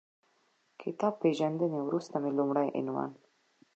کتاب پېژندنې وروسته مې لومړی عنوان